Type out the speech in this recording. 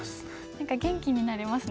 何か元気になれますね。